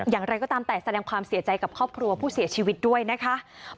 อย่างไรก็ตามแต่แสดงความเสียใจกับครอบครัวผู้เสียชีวิตด้วยนะคะ